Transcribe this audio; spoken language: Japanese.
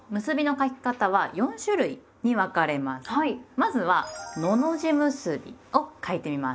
まずは「のの字結び」を書いてみます。